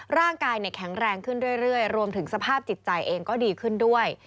ร่างกายแข็งแรงขึ้นเรื่อยรวมถึงสภาพจิตใจเองก็ดีขึ้นด้วย